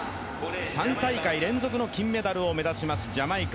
３大会連続の金メダルを目指しますジャマイカ。